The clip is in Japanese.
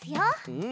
うん！